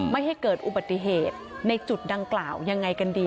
ไม่ให้เกิดอุบัติเหตุในจุดดังกล่าวยังไงกันดี